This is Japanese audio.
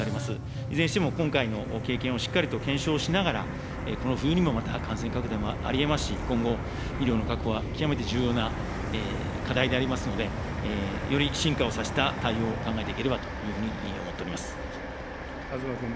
いずれにしても、今回の経験をしっかり検証しながら、この冬にもまた感染拡大もありえますし、今後、医療の確保は極めて重要な課題でありますので、より進化をさせた対応を考えていければと考え東君。